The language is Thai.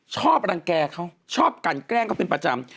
ชอบรังแก่เขาชอบกันแกล้งเขาเป็นประจำ